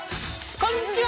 こんにちは！